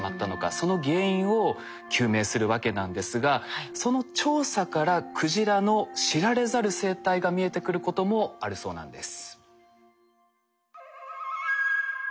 その原因を究明するわけなんですがその調査からクジラの知られざる生態が見えてくることもあるそうなんです。